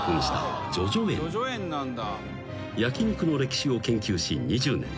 ［焼肉の歴史を研究し２０年］